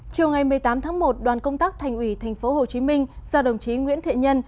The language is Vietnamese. chiều ngày một mươi tám tháng một đoàn công tác thành ủy tp hcm do đồng chí nguyễn thiện nhân